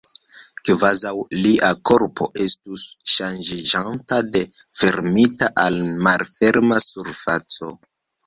Kvazaŭ lia korpo estus ŝanĝiĝanta de fermita al malferma surfaco.